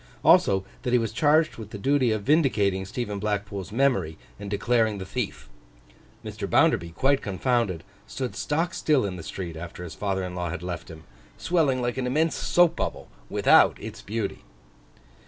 Also, that he was charged with the duty of vindicating Stephen Blackpool's memory, and declaring the thief. Mr. Bounderby quite confounded, stood stock still in the street after his father in law had left him, swelling like an immense soap bubble, without its beauty.